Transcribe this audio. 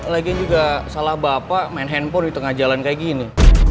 lagi juga salah bapak main handphone di tengah jalan kayak gini